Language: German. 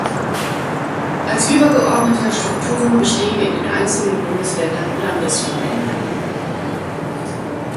Als übergeordnete Strukturen bestehen in den einzelnen Bundesländern Landesverbände.